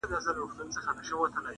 په غیرت او شجاعت مو نوم نښان وو!.